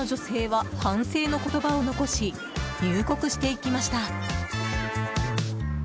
ベトナムからの女性は反省の言葉を残し入国していきました。